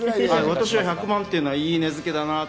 私は１００万というのは、いい値付けだなと。